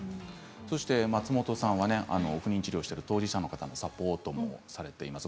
松本さんは不妊治療をした当事者の方のサポートもされています。